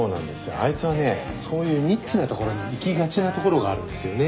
あいつはねそういうニッチなところにいきがちなところがあるんですよね。